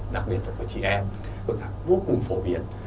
đặc biệt là của chị em vô cùng phổ biến